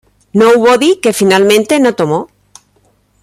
Nobody", que finalmente no tomó.